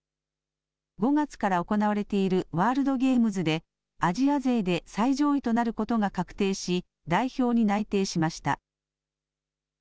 ５月から行われているワールドゲームズでアジア勢で最上位となることが確定し代表に内定しました。